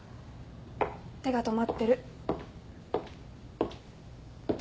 手が止まってる。